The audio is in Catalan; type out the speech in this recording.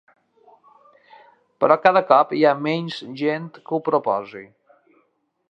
Però cada cop hi ha menys gent que ho proposi.